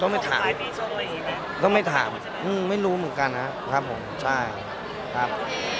ไม่ถามอืมไม่รู้เหมือนกันน่ะครับผมใช่ครับ